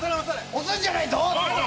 押すんじゃないぞ！